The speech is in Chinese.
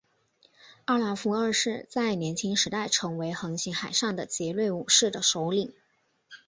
奥拉夫二世在年轻时代曾为横行海上的劫掠武士的首领。